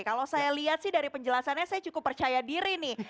kalau saya lihat sih dari penjelasannya saya cukup percaya diri nih